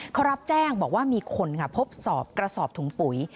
เขารับแจ้งบอกว่ามีคนค่ะพบสอบกระสอบถุงปุ๋ย